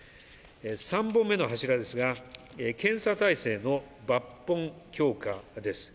３本目の柱ですが検査体制の抜本強化です。